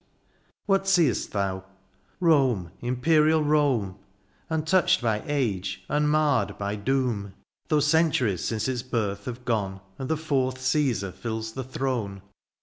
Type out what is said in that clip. What see'st thou ? Rome ! imperial Rome ! Untouched by age, unmarred by doom : Though centuries since its birth have gone. And the fourth Caesar fills the throne.